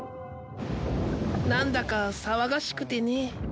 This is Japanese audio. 何だか騒がしくてね